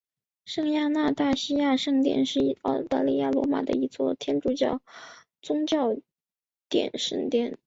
圣亚纳大西亚圣殿是意大利罗马的一座天主教宗座圣殿。